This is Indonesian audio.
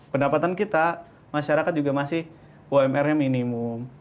pendapatan kita masyarakat juga masih umr nya minimum